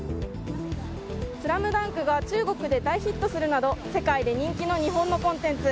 「ＳＬＡＭＤＵＮＫ」が中国で大ヒットするなど世界で人気の日本のコンテンツ。